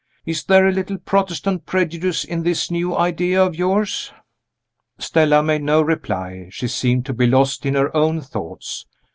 Is there a little Protestant prejudice in this new idea of yours?" Stella made no reply; she seemed to be lost in her own thoughts.